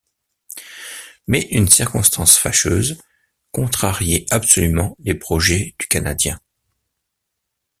Mais une circonstance fâcheuse contrariait absolument les projets du Canadien.